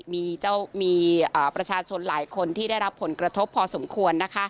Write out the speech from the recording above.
มีประชาชนหลายคนที่ได้รับผลกระทบพอสมควร